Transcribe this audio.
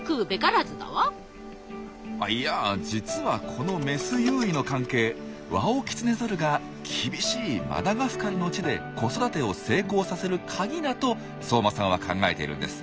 いや実はこのメス優位の関係ワオキツネザルが厳しいマダガスカルの地で子育てを成功させるカギだと相馬さんは考えているんです。